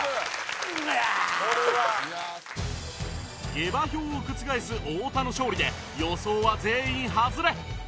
下馬評を覆す太田の勝利で予想は全員外れ